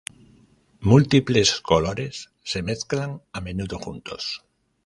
Múltiples colores se mezclan a menudo juntos.